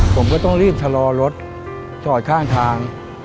ผมก็ต้องรีบชะลอรถจอดข้างทาง